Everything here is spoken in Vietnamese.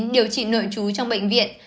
điều trị nội trú trong bệnh viện